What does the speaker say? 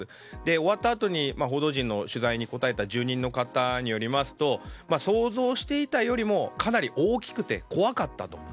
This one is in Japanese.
終わったあと報道陣の取材に答えた住人の方によりますと想像していたよりもかなり大きくて怖かったと。